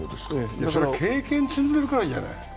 経験積んでるからじゃない？